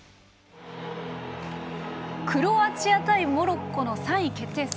クロアチア対モロッコの３位決定戦。